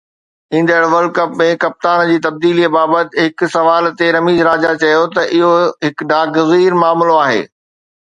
ايندڙ world cup ۾ ڪپتان جي تبديلي بابت هڪ سوال تي رميز راجا چيو ته اهو هڪ ناگزير معاملو آهي.